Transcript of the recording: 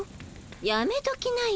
やめときなよ